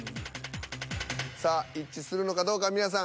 さあ一致するのかどうか皆さん